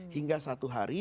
hingga satu hari